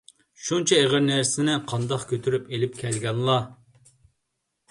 شۇنچە ئېغىر نەرسىنى قانداق كۆتۈرۈپ ئېلىپ كەلگەنلا؟